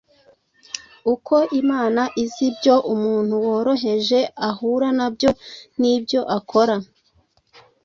Uko Imana izi ibyo umuntu woroheje ahura nabyo n’ibyo akora,